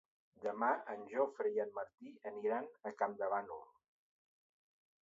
Demà en Jofre i en Martí aniran a Campdevànol.